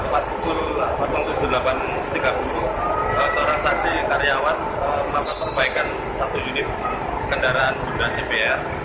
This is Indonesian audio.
pada pukul tujuh delapan tiga puluh seorang saksi karyawan melakukan perbaikan satu unit kendaraan bunda cpr